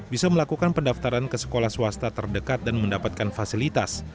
bisa melakukan pendaftaran ke sekolah swasta terdekat dan mendapatkan fasilitas